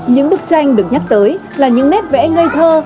những bức tranh được nhắc tới là những nét vẽ ngây thơ